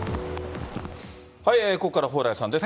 ここから蓬莱さんです。